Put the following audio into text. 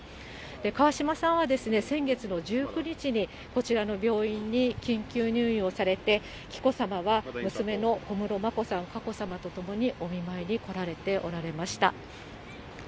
川嶋さんは先月の１９日にこちらの病院に緊急入院をされて、紀子さまが娘の小室眞子さん、佳子さまと共にお見舞いに来られておられました。